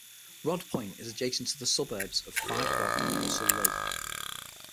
Rodd Point is adjacent to the suburbs of Five Dock and Russell Lea.